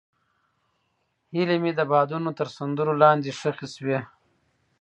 هیلې مې د بادونو تر سندرو لاندې ښخې شوې.